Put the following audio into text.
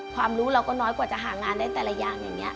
ความรู้เราก็น้อยกว่าจะหางานได้แต่ละอย่างอย่างนี้